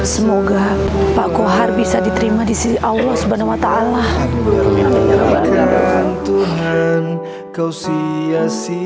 semoga pak kohar bisa diterima di sisi allah subhanahu wa ta'ala